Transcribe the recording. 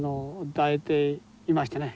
抱いていましてね